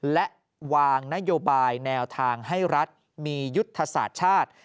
และวางนโยบายแนวทางให้รัฐมียุทธศาสตร์ชาติ